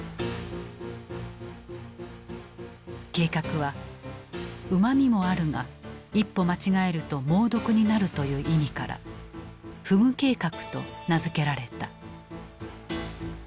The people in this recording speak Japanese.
計画は「うまみもあるが一歩間違えると猛毒になる」という意味から河豚計画と名付けられた。